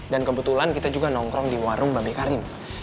dan kebetulan kita juga nongkrong di warung babe karim